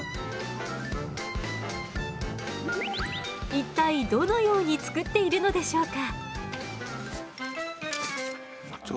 一体どのように作っているのでしょうか？